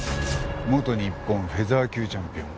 元日本フェザー級チャンピオン。